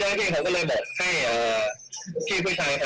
บอกว่าถ้าเกิดว่าเห็นอีกจะเชิญลงจากรถนะคะ